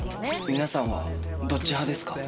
皆さんはどっち派ですか？